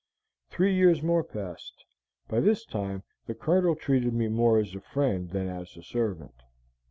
Three years more passed. By this time the Colonel treated me more as a friend than as a servant.